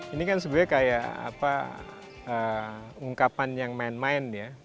ini kan sebenarnya kayak ungkapan yang main main ya